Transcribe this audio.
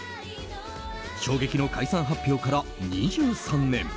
衝撃の解散発表から２３年。